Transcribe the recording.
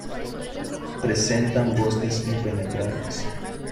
Presentan bosques impenetrables.